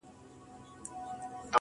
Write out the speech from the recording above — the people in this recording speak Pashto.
د خدای د نور جوړو لمبو ته چي سجده وکړه